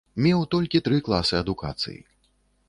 Меў толькі тры класы адукацыі.